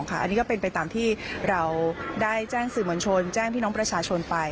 อันนี้ก็เป็นไปตามที่เราได้แจ้งสื่อมวลชนแจ้งพี่น้องประชาชนไป